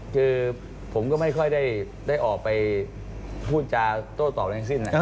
คือผมก็ไม่ค่อยได้ออกไปพูดจาโต้ตอบในสิ้นนะครับ